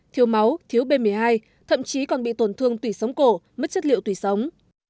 thiếu máu thiếu b một mươi hai thậm chí còn bị tổn thương tủy sống cổ mất chất liệu tủy sống